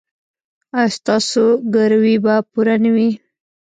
ایا ستاسو ګروي به پوره نه وي؟